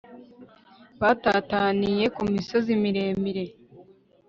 batataniye ku misozi miremire